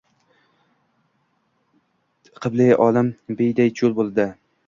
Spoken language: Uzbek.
Qiblai olam biyday cho‘l bo‘ldi.